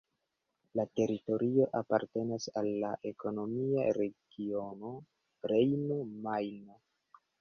La teritorio apartenas al la ekonomia regiono Rejno-Majno.